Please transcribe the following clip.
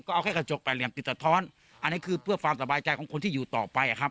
ก็เอาแค่กระจกแปดเหลี่ยมติดสะท้อนอันนี้คือเพื่อความสบายใจของคนที่อยู่ต่อไปอะครับ